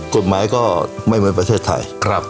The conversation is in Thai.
กฎหมายก็ไม่เหมือนประเทศไทย